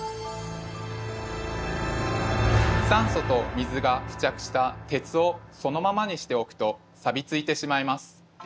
酸素と水が付着した鉄をそのままにしておくとさびついてしまいます。